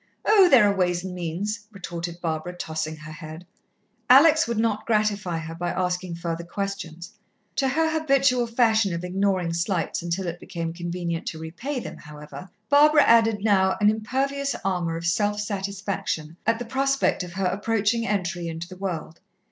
"Oh, there are ways and means," retorted Barbara, tossing her head. Alex would not gratify her by asking further questions. To her habitual fashion of ignoring slights until it became convenient to repay them, however, Barbara added now an impervious armour of self satisfaction at the prospect of her approaching entry into the world.